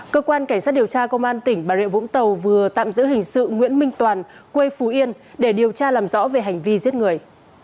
cơ quan cảnh sát điều tra công an tỉnh bà rịa vũng tàu vừa tạm giữ hình sự nguyễn minh toàn quê phú yên để điều tra làm rõ về hành vi giết người